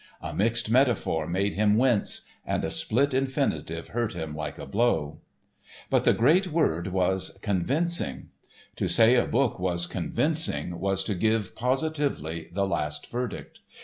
A mixed metaphor made him wince, and a split infinitive hurt him like a blow. But the great word was "convincing." To say a book was convincing was to give positively the last verdict.